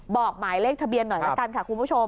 บอกหมายเลขทะเบียนหน่อยละกันค่ะคุณผู้ชม